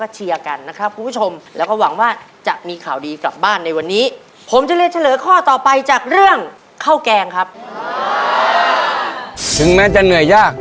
ถึงแม้จะเหนื่อยยาก